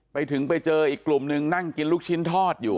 ไปถึงไปเจออีกกลุ่มนึงนั่งกินลูกชิ้นทอดอยู่